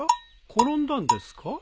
転んだんですか？